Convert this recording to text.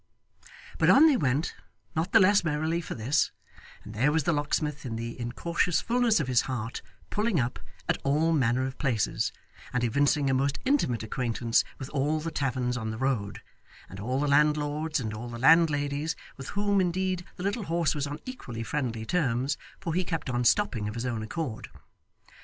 But on they went, not the less merrily for this, and there was the locksmith in the incautious fulness of his heart 'pulling up' at all manner of places, and evincing a most intimate acquaintance with all the taverns on the road, and all the landlords and all the landladies, with whom, indeed, the little horse was on equally friendly terms, for he kept on stopping of his own accord.